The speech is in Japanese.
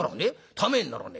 『ためにならねえ』